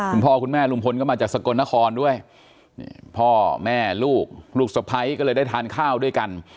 คุณพ่อคุณแม่ลุงพลก็มาจากสกลนครด้วยพ่อแม่ลูกลูกสะพ้ายก็เลยได้ทานข้าวด้วยกัน